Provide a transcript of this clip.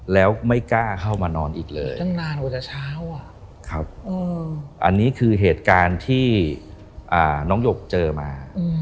แล้วไม่กล้าเข้ามานอนอีกเลยอันนี้คือเหตุการณ์ที่น้องหยกเจอมา